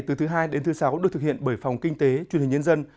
từ thứ hai đến thứ sáu được thực hiện bởi phòng kinh tế truyền hình nhân dân